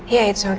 ya tidak apa apa